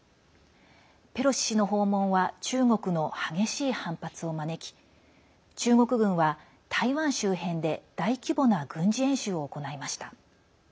ペロシ氏の訪問は中国の激しい反発を招き中国軍は、台湾周辺で大規模な軍事演習を行いました。